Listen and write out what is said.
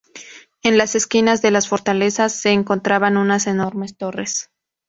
En las esquinas de la fortaleza se encontraban unas enormes torres.